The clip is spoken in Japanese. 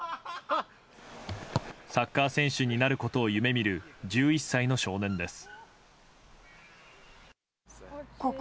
サッカー選手になることを夢見る１１歳の少年です。